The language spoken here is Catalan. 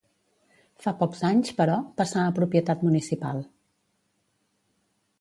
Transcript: Fa pocs anys, però, passà a propietat municipal.